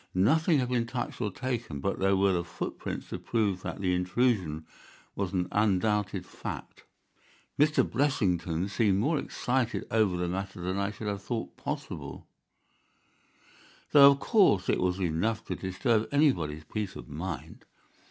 Nothing had been touched or taken, but there were the footprints to prove that the intrusion was an undoubted fact. "Mr. Blessington seemed more excited over the matter than I should have thought possible, though of course it was enough to disturb anybody's peace of mind.